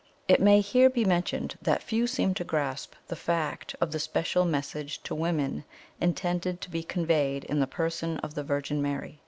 "It may here be mentioned that few seem to grasp the fact of the SPECIAL MESSAGE TO WOMEN intended to be conveyed in the person of the Virgin Mary.